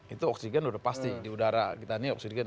itu oksigen udah pasti di udara kita ini oksigen